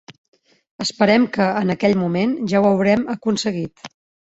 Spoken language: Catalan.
Esperem que, en aquell moment, ja ho haurem aconseguit.